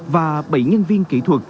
và bảy nhân viên